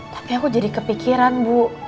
tapi aku jadi kepikiran bu